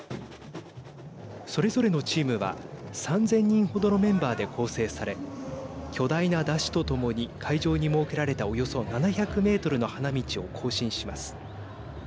それぞれのチームは３０００人程のメンバーで構成され巨大な山車とともに会場に設けられたおよそ７００メートルの花道を行進します。